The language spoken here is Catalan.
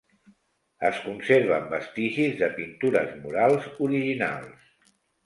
Es conserven vestigis de pintures murals originals.